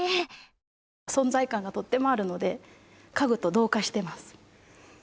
存在感がとってもあるので家具と同化してます。